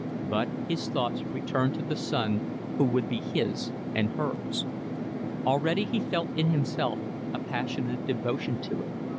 But his thoughts returned to the son who would be his and hers. Already he felt in himself a passionate devotion to it.